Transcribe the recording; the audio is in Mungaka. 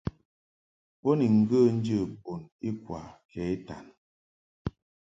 Bo ni ŋgə̌ njə̌ bun ikwa kɛ itan.